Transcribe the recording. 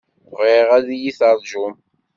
Bɣiɣ ad yi-terjum.